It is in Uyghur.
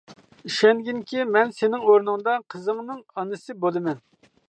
ئىشەنگىنكى، مەن سېنىڭ ئورنۇڭدا قىزىڭنىڭ ئانىسى بولىمەن.